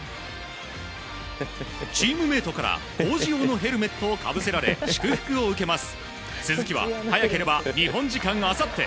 チームメートから工事用のヘルメットをかぶせられ祝福を受けます。